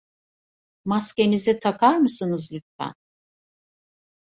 Maskenizi takar mısınız lütfen?